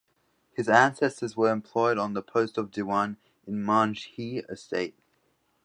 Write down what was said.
His ancestors were employed on the post of Diwan in Manjhi estate.